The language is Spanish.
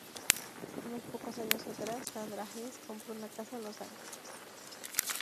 Unos pocos años atrás, Sandra Hess compró una casa en Los Ángeles.